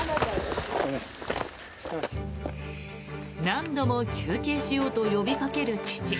何度も休憩しようと呼びかける父。